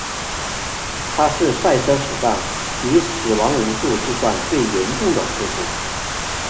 它是赛车史上以死亡人数计算最严重的事故。